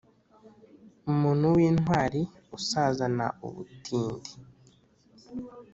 umuntu w’intwari usazana ubutindi,